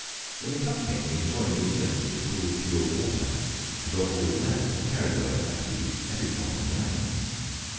When the cup came we enjoyed a good drink of the cool pure water, and before we left had carried away, I believe, every drop on the island.